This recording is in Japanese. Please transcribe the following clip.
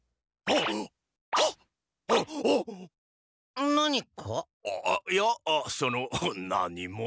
あっいやその何も。